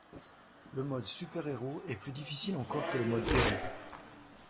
Le mode super héros est plus difficile encore que le mode héros.